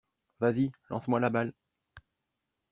Vas-y! Lance-moi la balle !